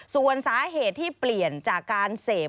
ส่วนสาเหตุที่เปลี่ยนจากการเสพ